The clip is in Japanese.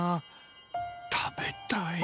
食べたい。